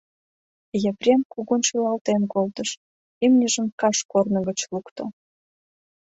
Епрем кугун шӱлалтен колтыш, имньыжым каш корно гыч лукто